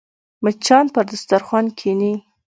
مچان پر دسترخوان کښېني